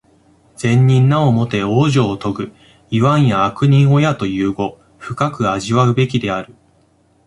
善人なおもて往生をとぐ、いわんや悪人をやという語、深く味わうべきである。